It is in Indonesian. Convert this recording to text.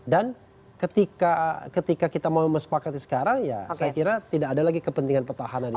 dan ketika kita mau sepakati sekarang saya kira tidak ada lagi kepentingan pertahanan